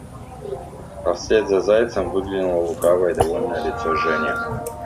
А вслед за зайцем выглянуло лукавое и довольное лицо Жени.